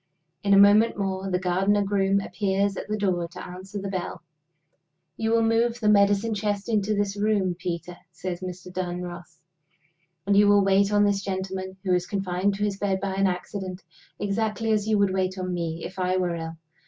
In a moment more, the gardener groom appears at the door to answer the bell. "You will move the medicine chest into this room, Peter," says Mr. Dunross. "And you will wait on this gentleman, who is confined to his bed by an accident, exactly as you would wait on me if I were ill.